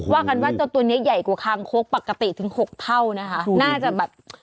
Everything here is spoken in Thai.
ว่ากันว่าเจ้าตัวนี้ใหญ่กว่าคางคกปกติถึงหกเท่านะคะน่าจะแบบ